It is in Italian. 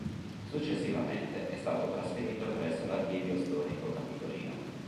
Successivamente è stato trasferito presso l'Archivio Storico Capitolino.